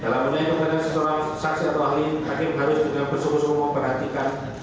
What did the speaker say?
dalam menyebutkan sesuatu saksi atau ahli hakim harus juga berseru seru memperhatikan